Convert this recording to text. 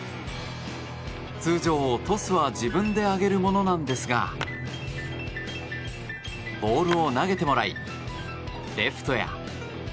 通常、トスは自分で上げるものなんですがボールを投げてもらいレフトや。